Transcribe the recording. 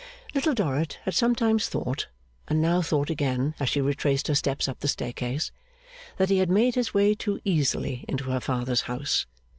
Little Dorrit had sometimes thought, and now thought again as she retraced her steps up the staircase, that he had made his way too easily into her father's house.